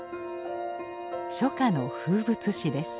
初夏の風物詩です。